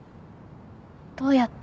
どうやって？